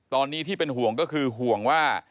ตอนนี้ที่เป็นห่วงก็คือห่วงว่า